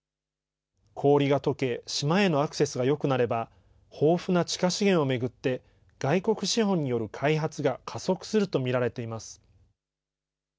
氷がとけ、島へのアクセスがよくなれば、豊富な地下資源を巡って、外国資本による開発が加速すると見られています。